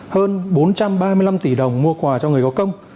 hơn bốn trăm ba mươi năm tỷ đồng mua quà cho người có công